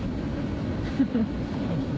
フフフ。